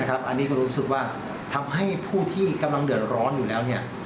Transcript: อันนี้ก็รู้สึกว่าทำให้ผู้ที่กำลังเดือดร้อนอยู่แล้ว